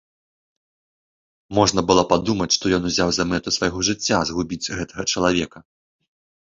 Можна было падумаць, што ён узяў за мэту свайго жыцця згубіць гэтага чалавека.